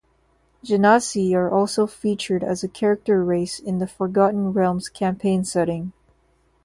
"Genasi" are also featured as a character race in the "Forgotten Realms" campaign setting.